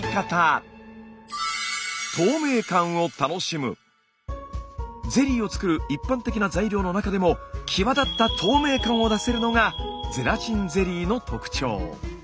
まだまだあるゼリーを作る一般的な材料の中でも際立った透明感を出せるのがゼラチンゼリーの特徴。